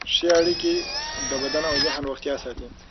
ښه اړیکې د بدن او ذهن روغتیا ساتي.